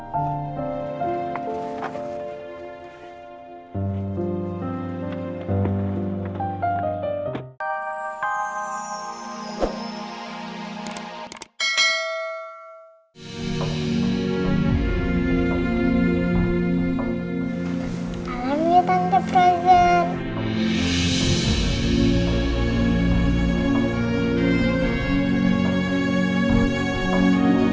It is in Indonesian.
masamu tante frozen